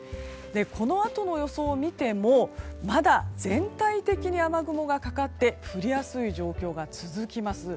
このあとの予想を見てもまだ全体的に雨雲がかかって降りやすい状況が続きます。